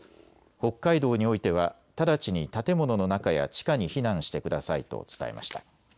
北海道においては直ちに建物の中や地下に避難してくださいと伝えました。